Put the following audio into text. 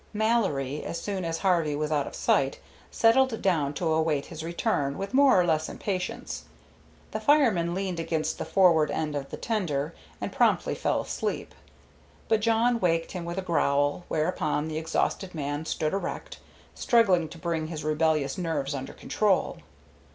Mallory, as soon as Harvey was out of sight, settled down to await his return with more or less impatience. The fireman leaned against the forward end of the tender and promptly fell asleep, but Jawn waked him with a growl, whereupon the exhausted man stood erect, struggling to bring his rebellious nerves under control.